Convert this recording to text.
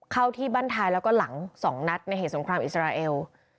เข้าที่บ้านท้ายแล้วก็หลัง๒นัดในเหตุสงครามอิสราเอล